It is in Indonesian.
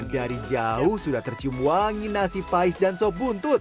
dari jauh sudah tercium wangi nasi pais dan sop buntut